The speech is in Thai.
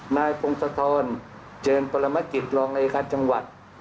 นายพงศธรเจินปรมกิจรองอายการจังหวัด